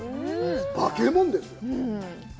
化けもんですよ。